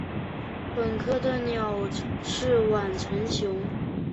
本科的鸟是晚成雏。